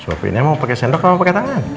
suapinnya mau pakai sendok atau pakai tangan